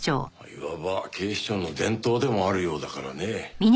いわば警視庁の伝統でもあるようだからね。